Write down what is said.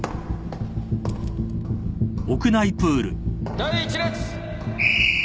第１列。